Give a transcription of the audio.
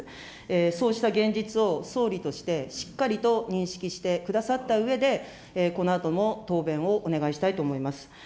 そうした現実を総理として、しっかりと認識してくださったうえで、このあとも答弁をお願いしたいと思います。